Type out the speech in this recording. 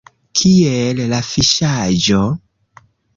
Kiel la fiŝaĵo?